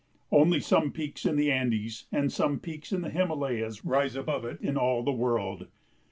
Only some peaks in the Andes and some peaks in the Himalayas rise above it in all the world.